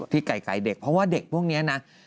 ไก่ไข่เด็กเพราะว่าเด็กพวกนี้นะ